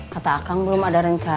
kata akang belum ada rencana